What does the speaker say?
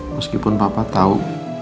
meskipun papa tahu